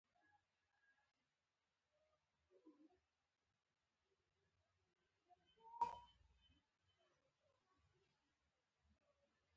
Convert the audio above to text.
باسواده ښځې د ساینسي څیړنو ملاتړ کوي.